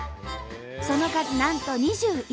その数なんと２１種類！